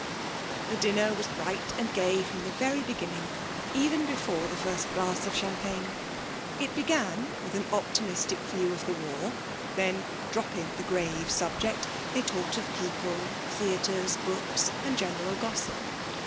The dinner was bright and gay from the very beginning, even before the first glass of champagne. It began with an optimistic view of the war, then, dropping the grave subject, they talked of people, theatres, books, and general gossip.